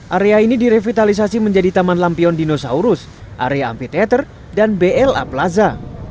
area ini direvitalisasi menjadi taman lampion dinosaurus area ampete dan bla plaza